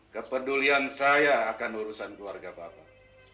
kepedulian saya akan urusan keluarga bapak